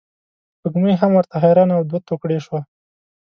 سپوږمۍ هم ورته حیرانه او دوه توکړې شوه.